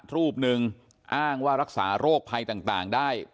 รูปหนึ่งอ้างว่ารักษาโรคภัยต่างได้